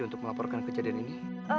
untuk melaporkan kejadian ini